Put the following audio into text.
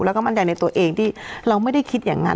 แล้วก็มั่นใจในตัวเองที่เราไม่ได้คิดอย่างนั้น